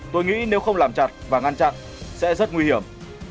tôi nghĩ nếu không làm chặt và ngăn chặn sẽ rất nguy hiểm